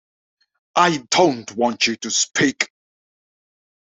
I don’t want you to speak.